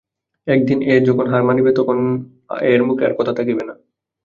একদিন এ যখন হার মানিবে তখন এর মুখে আর কথা থাকিবে না।